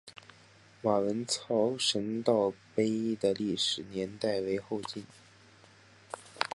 马文操神道碑的历史年代为后晋。